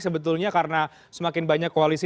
sebetulnya karena semakin banyak koalisi